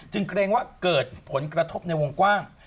เกรงว่าเกิดผลกระทบในวงกว้าง